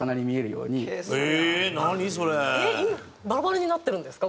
今バラバラになってるんですか？